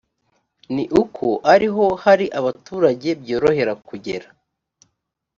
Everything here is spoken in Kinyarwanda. ni uko ariho hari abaturage byorohera kugera